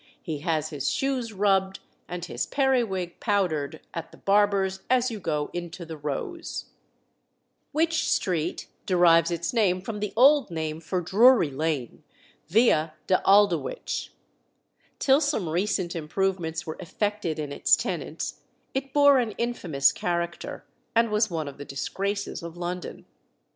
He has his shoes rubbed and his periwig powdered at the barber's as you go into the Rose." Wych Street derives its name from the old name for Drury Lane via de Aldewych. Till some recent improvements were effected in its tenants, it bore an infamous character, and was one of the disgraces of London.